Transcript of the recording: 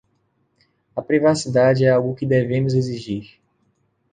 A privacidade é algo que devemos exigir.